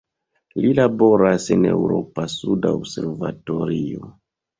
Li laboras en la Eŭropa suda observatorio.